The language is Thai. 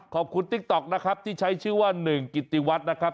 ติ๊กต๊อกนะครับที่ใช้ชื่อว่าหนึ่งกิติวัฒน์นะครับ